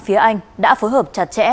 phía anh đã phối hợp chặt chẽ